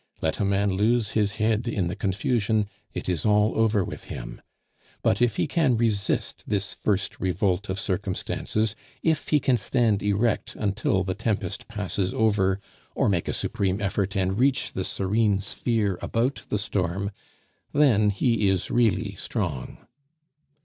Let a man lose his head in the confusion, it is all over with him; but if he can resist this first revolt of circumstances, if he can stand erect until the tempest passes over, or make a supreme effort and reach the serene sphere about the storm then he is really strong.